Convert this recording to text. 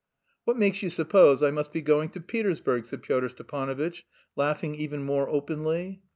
"What makes you suppose I must be going to Petersburg?" said Pyotr Stepanovitch, laughing even more openly.